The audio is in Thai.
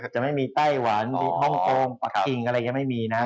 จะไม่มีไต้หวันห้องโคมประกิงอะไรยังไม่มีนะ